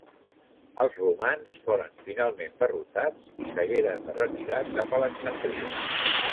Els romans foren finalment derrotats i s'hagueren de retirar cap a Alexandria.